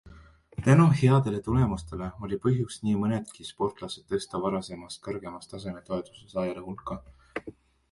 Tänu headele tulemustele oli põhjust nii mõnedki sportlased tõsta varasemast kõrgema taseme toetuse saajate hulka.